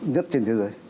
nhất trên thế giới